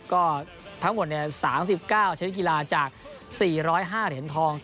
ก็ทั้งหมดเนี่ย๓๙เฉลี่ยกีฬาจาก๔๐๕เหรียญทอง